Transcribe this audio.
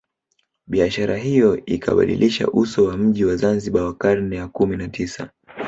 Biashara hiyo ikabadilisha uso wa mji wa Zanzibar wa karne ya kumi na tisa